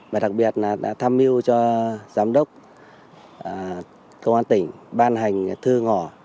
và đặc biệt là đã tham mưu cho giám đốc công an tỉnh ban hành thư ngỏ